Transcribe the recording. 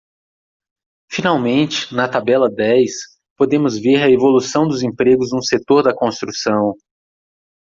Finalmente, na tabela dez, podemos ver a evolução dos empregos no setor da construção.